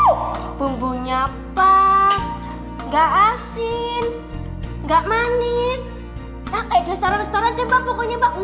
uh uh bumbunya pas enggak asin enggak manis pakai restoran restoran tempat pokoknya pak